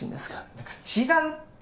だから違うって。